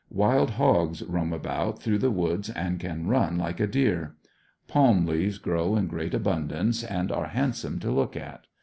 Wild hogs roam around through the woods, and can run like a deer. Palm leaves grow in great abundance, and are handsome to look at.